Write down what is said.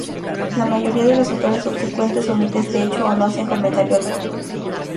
La mayoría de los autores subsecuentes omite este hecho o no hacen comentario alguno.